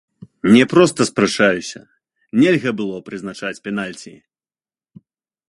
Не проста спрачаюся, нельга было прызначаць пенальці!